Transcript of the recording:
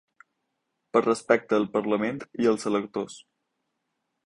Per respecte al parlament i als electors.